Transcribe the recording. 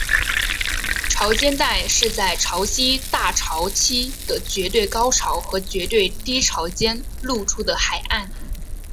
潮间带是在潮汐大潮期的绝对高潮和绝对低潮间露出的海岸。